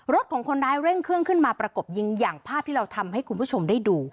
ของคนร้ายเร่งเครื่องขึ้นมาประกบยิงอย่างภาพที่เราทำให้คุณผู้ชมได้ดู